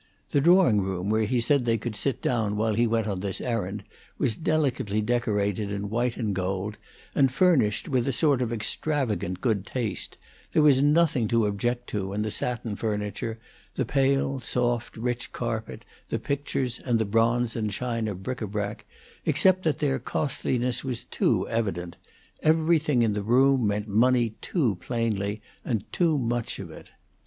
The drawing room, where he said they could sit down while he went on this errand, was delicately decorated in white and gold, and furnished with a sort of extravagant good taste; there was nothing to object to in the satin furniture, the pale, soft, rich carpet, the pictures, and the bronze and china bric a brac, except that their costliness was too evident; everything in the room meant money too plainly, and too much of it.